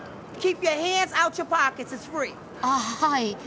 あっはい。